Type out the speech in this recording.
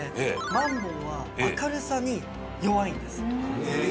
マンボウは明るさに弱いんです。